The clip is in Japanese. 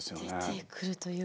出てくるということで。